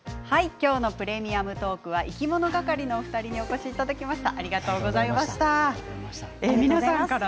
今日の「プレミアムトーク」はいきものがかりのお二人にお越しいただきました。